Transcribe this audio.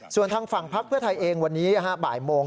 ส่วนทางฝั่งพักเพื่อไทยเองวันนี้บ่ายโมง